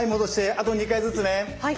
あと２回ずつね。